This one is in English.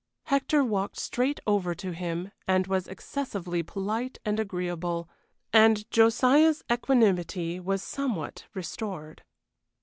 Hector walked straight over to him and was excessively polite and agreeable, and Josiah's equanimity was somewhat restored.